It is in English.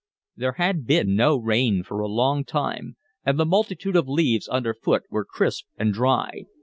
There had been no rain for a long time, and the multitude of leaves underfoot were crisp and dry.